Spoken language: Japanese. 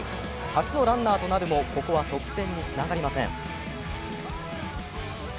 初のランナーとなるも、ここは得点につながりません。